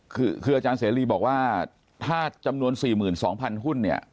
คืออาจารย์เสรีบอกว่าถ้าจำนวน๔๒๐๐หุ้นเนี่ย